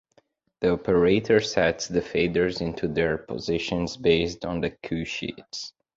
The operator sets the faders into their positions based on the cue sheets.